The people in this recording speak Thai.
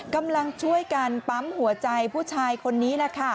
กำลังช่วยการปั๊มหัวใจผู้ชายคนนี้